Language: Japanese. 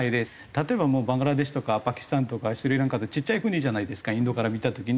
例えばバングラデシュとかパキスタンとかスリランカってちっちゃい国じゃないですかインドから見た時に。